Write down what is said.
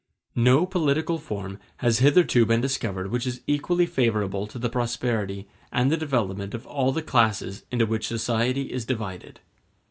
No political form has hitherto been discovered which is equally favorable to the prosperity and the development of all the classes into which society is divided.